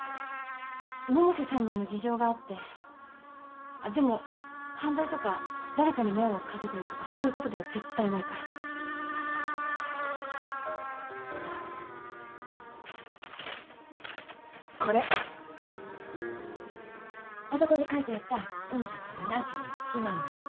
百瀬さんにも事情があってでも犯罪とか誰かに迷惑かけてるとかそういうことでは絶対ないからこれあそこに書いてあった４７１万円